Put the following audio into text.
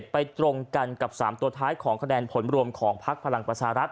ไปตรงกันกับ๓ตัวท้ายของคะแนนผลรวมของพักพลังประชารัฐ